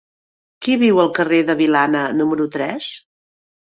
Qui viu al carrer de Vilana número tres?